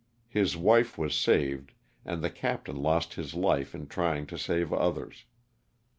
His wife was saved and the captain lost his life in trying to save others.